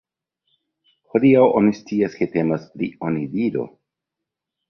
Hodiaŭ oni scias ke temas pri onidiro.